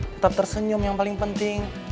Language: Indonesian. tetap tersenyum yang paling penting